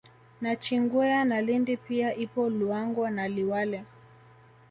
Nachingwea na Lindi pia ipo Luangwa na Liwale